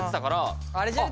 あれじゃね？